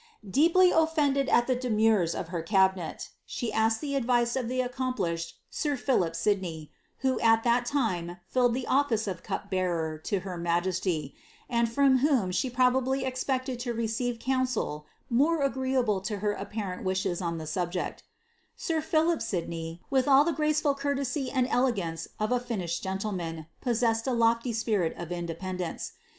SLItABXTB* Deeplj oflended tt the demurs of her cabinet, the asked the advice of the accompliehed sir Philip Sidney, who at that time filled the office of cop bearer to her majesty, and from whom she probably expected to leceiTe counsel more agreeable to her apparent wishes on the subject Sir Philip Sidney, with all the graceful courtesy and elegance of a (nuihed gentleman, possessed a loAy spirit of independence.